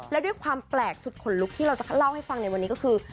และด้วยความแปลกสุดขนลุกที่เราจะเล่าให้ฟังในวันนี้ก็คือ